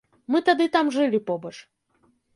Мы тады там жылі побач.